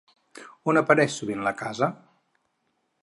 On apareix sovint la casa?